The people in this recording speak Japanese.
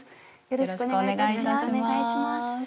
よろしくお願いします。